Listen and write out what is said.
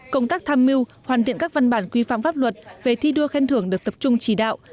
công tác tham mưu hoàn thiện các văn bản quy phạm pháp luật về thi đua khen thưởng được tập trung chỉ đạo